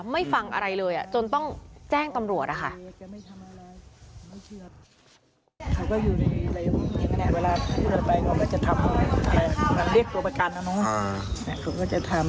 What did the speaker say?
ไม่ฟังอะไรเลยจนต้องแจ้งตำรวจนะคะ